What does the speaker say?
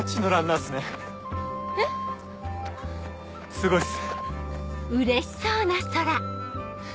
すごいっす。